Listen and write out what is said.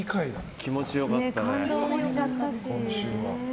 気持ちよかったね。